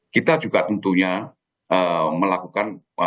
kita juga tentunya melakukan terus memperkuatkan